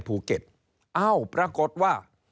ภูเก็ตเอ้าปรากฏว่า